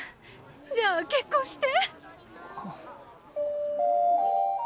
じゃあ結婚して。